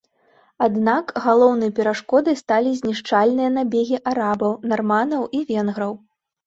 Аднак галоўнай перашкодай сталі знішчальныя набегі арабаў, нарманаў і венграў.